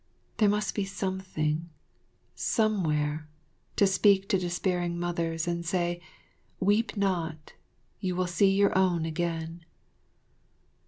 There must be something, somewhere, to speak to despairing mothers and say, "Weep not! You will see your own again."